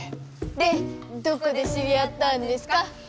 でどこで知り合ったんですか？